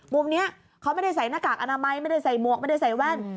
มุมนี้เขาไม่ได้ใส่หน้ากากอนามัยไม่ได้ใส่หมวกไม่ได้ใส่แว่น